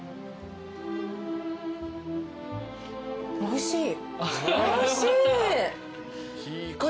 おいしい！